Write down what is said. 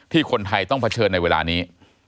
คนไทยต้องเผชิญในเวลานี้